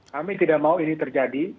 kami tidak mau ini terjadi